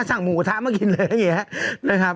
สั่งหมูกระทะมากินเลยอะไรอย่างนี้นะครับ